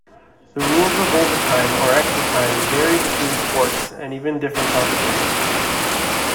The rules of overtime or extra time vary between sports and even different competitions.